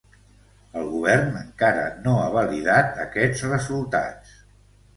El govern encara no ha validat aquests resultats.